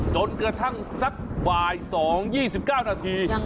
จนเกือบทั้งสักบ่ายสองยี่สิบเก้านาที